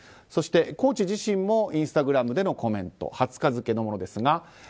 そしてコーチ自身もインスタグラムでのコメント２０日付のものです。